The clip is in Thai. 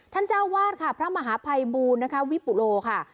ท่านเจ้าวาดค่ะพระมหาภัยบูรณ์วิปุโรค่ะ